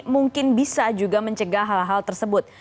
mungkin bisa juga mencegah hal hal tersebut